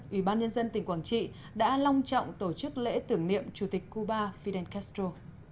ủy ban nhân dân tỉnh quảng trị đã long trọng tổ chức lễ tưởng niệm chủ tịch cuba fidel castro